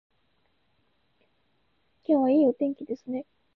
今日はいいお天気ですね